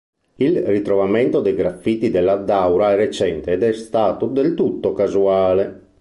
Il ritrovamento dei graffiti dell'Addaura è recente ed è stato del tutto casuale.